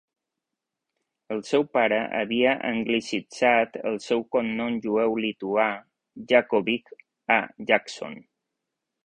El seu pare havia anglicitzat el seu cognom jueu lituà Jakowitz a Jackson.